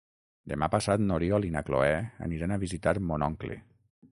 Demà passat n'Oriol i na Cloè aniran a visitar mon oncle.